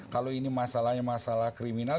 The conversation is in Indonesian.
kalau ini masalahnya masalah kriminal